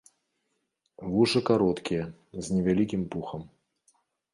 Вушы кароткія, з невялікім пухам.